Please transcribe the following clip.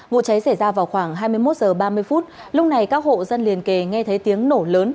vụ cháy xảy ra vào khoảng hai mươi một h ba mươi phút lúc này các hộ dân liền kề nghe thấy tiếng nổ lớn